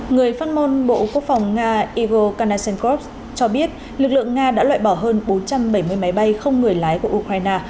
người phát ngôn bộ quốc phòng nga igor kanashenkov cho biết lực lượng nga đã loại bỏ hơn bốn trăm bảy mươi máy bay không người lái của ukraine